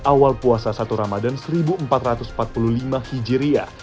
awal puasa satu ramadan seribu empat ratus empat puluh lima hijriah